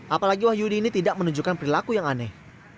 apalagi wahyudi ini tidak menunjukkan perilaku yang aneh